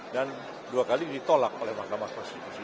dan dua kali ditolak oleh makamah konstitusi